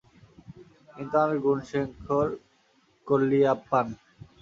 কিন্তু আমি গুণশেখর কোল্লিয়াপ্পান।